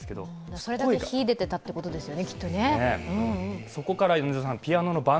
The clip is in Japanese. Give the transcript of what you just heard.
それだけ秀でていたということですよね。